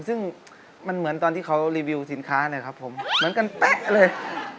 ซึ่งมันเหมือนตอนที่เขารีวิวสินค้านะครับผมเหมือนกันเป๊ะเลย